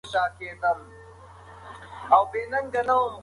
تر غرمې به هغوی خپلې ټولې دندې بشپړې کړې وي.